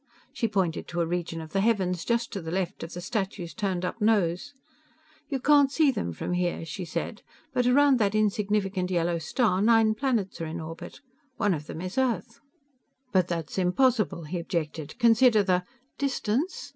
She pointed to a region of the heavens just to the left of the statue's turned up nose. "You can't see them from here," she said, "but around that insignificant yellow star, nine planets are in orbit. One of them is Earth." "But that's impossible!" he objected. "Consider the " "Distance?